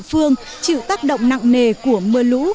địa phương chịu tác động nặng nề của mưa lũ